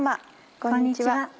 こんにちは。